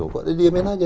kok dia diamin saja